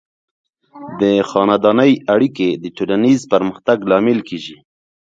د خاندنۍ اړیکې د ټولنیز پرمختګ لامل کیږي.